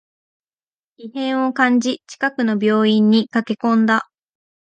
異変を感じ、近くの病院に駆けこんだ